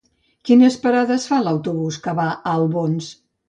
Quines parades fa l'autobús que va a Albons?